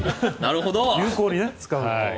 有効に使う。